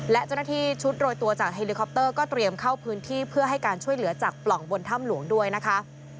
และเจ้าหน้าที่ชุดโรยตัวจากเฮลิคอปเตอร์ก็เตรียมเข้าพื้นที่เพื่อให้การช่วยเหลือจากปล่องบนถ้ำหลวงด้วยนะคะ